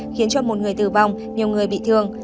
khiến một người tử vong nhiều người bị thương